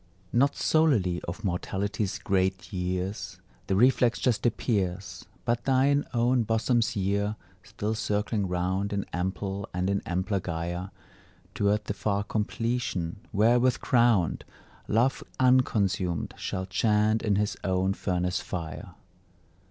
Not solely of Mortality's great years The reflex just appears, But thine own bosom's year, still circling round In ample and in ampler gyre Toward the far completion, wherewith crowned, Love unconsumed shall chant in his own furnace fire.